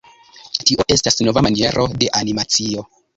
Tio estas nova maniero de animacio.